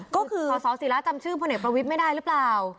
ก็คือสสิระจำชื่อพลเอกประวิทย์ไม่ได้หรือเปล่า